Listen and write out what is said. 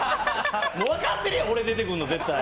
分かってるやん、俺出てくるの絶対。